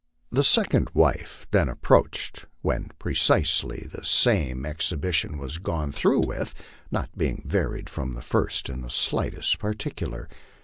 The second wife then approached, when precisely the same exhibition was gone through with, not being varied from the first in the slightest particular.